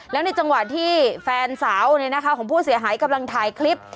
แล้วในจังหวะที่แฟนสาวของผู้เสียหายกำลังถ่ายคลิป